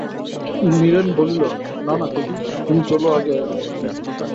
নীরেন বলিল, না না খুকি, তুমি চল আগে আগে।